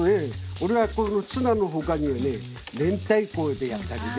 俺はこのツナの他にめんたいこでやったりね。